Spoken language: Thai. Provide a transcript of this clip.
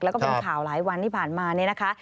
แล้วก็เป็นข่าวหลายวันที่ผ่านมาเนี่ยนะคะ